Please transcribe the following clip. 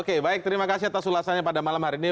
oke baik terima kasih atas ulasannya pada malam hari ini